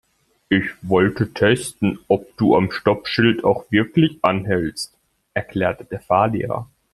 "Ich wollte testen, ob du am Stoppschild auch wirklich anhältst", erklärte der Fahrlehrer.